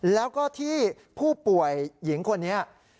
แล้วก็ที่ผู้ป่วยหญิงคนนี้